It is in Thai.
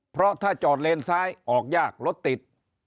เพราะถ้าจอดเลนซ้ายออกยากรถติด